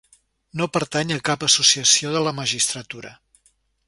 No pertany a cap associació de la magistratura.